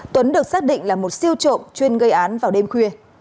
tuấn được xác định là một siêu trộm chuyên gây án vào đêm khuya